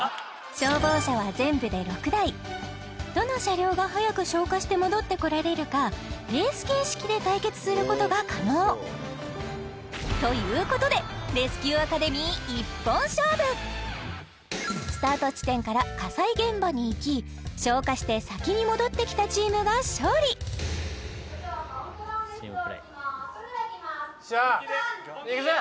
消防車は全部で６台どの車両が早く消火して戻ってこられるかレース形式で対決することが可能ということでレスキュー・アカデミー一本勝負スタート地点から火災現場に行き消火して先に戻ってきたチームが勝利それではいきますいくぜ！